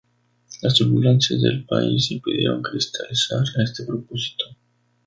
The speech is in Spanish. Las turbulencias del País impidieron cristalizar este propósito.